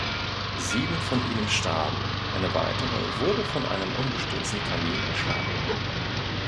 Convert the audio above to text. Sieben von ihnen starben, eine weitere wurde von einem umgestürzten Kamin erschlagen.